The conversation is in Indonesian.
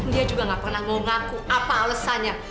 dia juga gak pernah mau ngaku apa alasannya